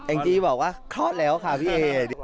งจี้บอกว่าคลอดแล้วค่ะพี่เอ